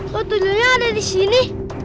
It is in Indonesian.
kok tujuannya ada di sini